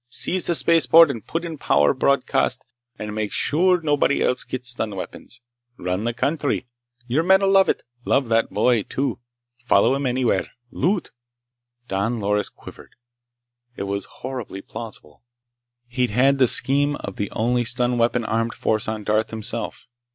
Seize the spaceport and put in power broadcast, and make sure nobody else gets stun weapons. Run the country. Your men'll love it. Love that boy, too! Follow him anywhere. Loot." Don Loris quivered. It was horribly plausible. He'd had the scheme of the only stun weapon armed force on Darth, himself.